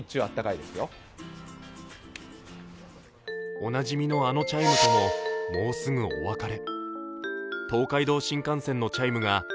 おなじみのあのチャイムとももうすぐお別れ。